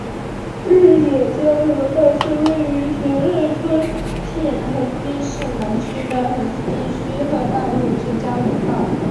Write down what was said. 日野交流道是位于神奈川县横滨市南区的横滨横须贺道路之交流道。